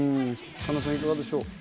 神田さん、いかがでしょう？